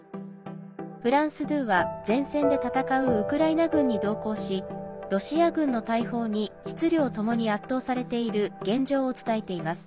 フランス２は前線で戦うウクライナ軍に同行しロシア軍の大砲に質量ともに圧倒されている現状を伝えています。